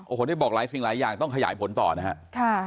โอ้โหได้บอกหลายสิ่งหลายอย่างต้องขยายผลต่อนะฮะ